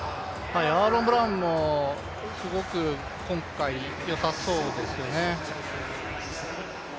アーロン・ブラウンもすごく今回よさそうですよね。